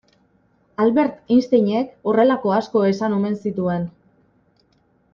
Albert Einsteinek horrelako asko esan omen zituen.